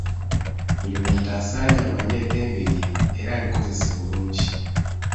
Buli muntu asaanye amanye eddembe lye era alikozese bulungi